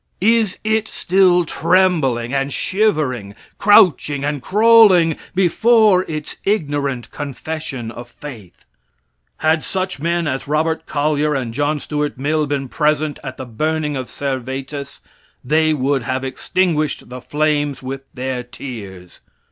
Is it still trembling and shivering, crouching and crawling, before its ignorant confession of faith? Had such men as Robert Collyer and John Stuart Mill been present at the burning of Servetus, they would have extinguished the flames with their tears.